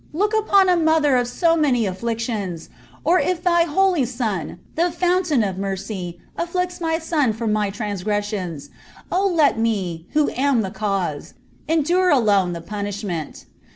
" look upon a mother of so many ifflw tiona t or if thy holy Sun, the fountain of mercy, iklHicts my son for aij iraiifgrvMion, oh lei me, who nm the muse, endure nlone thi! pnniih inent.